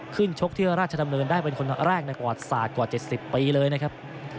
ขึ้นชกเที่ยวราชดำเนินได้เป็นคนแรกในกว่าสัตว์กว่า๗๐ปีเลยนะครับ